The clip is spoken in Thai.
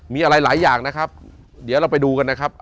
มีอะไรหลายอย่างนะครับเดี๋ยวเราไปดูกันนะครับ